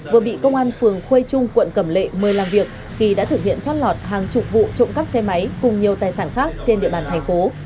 vừa bị công an phường khuê trung quận cẩm lệ mời làm việc khi đã thực hiện trót lọt hàng chục vụ trộm cắp xe máy cùng nhiều tài sản khác trên địa bàn thành phố